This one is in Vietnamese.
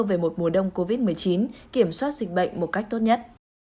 về một mùa đông covid một mươi chín kiểm soát dịch bệnh một cách tốt nhất